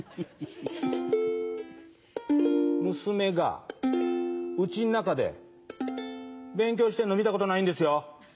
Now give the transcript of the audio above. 娘がうちの中で、勉強してるの見たことないんですよ。